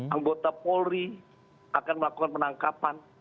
anggota polri akan melakukan penangkapan